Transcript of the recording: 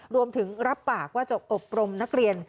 รับปากว่าจะอบรมนักเรียน